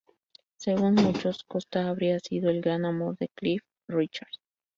Según muchos, Costa habría sido el gran amor de Cliff Richard.